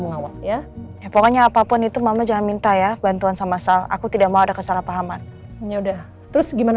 mengawet ya pokoknya apapun itu mama jangan minta ya bantuan sama sal aku tidak mau ada kesalahpahaman